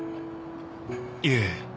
いえ。